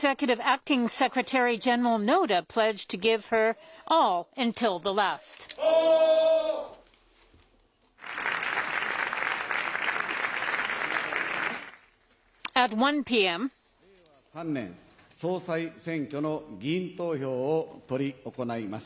令和３年、総裁選挙の議員投票を執り行います。